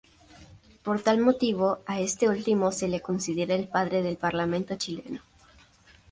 Por tal motivo a este último se le considera el Padre del Parlamento chileno.